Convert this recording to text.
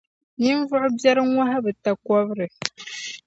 Ninvuɣ’ biɛri ŋɔhi bɛ takɔbiri.